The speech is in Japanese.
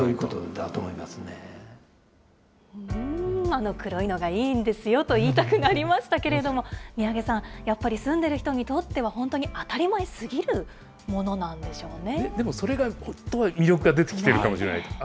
あの黒いのがいいんですよと言いたくなりましたけれども、三宅さん、やっぱり住んでいる人にとっては、本当に当たり前すぎるでもそれ、魅力が出てきてるのかもしれないですね。